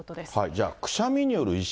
じゃあ、くしゃみによる意識